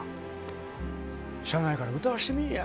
しゃあないから歌わしてみいや。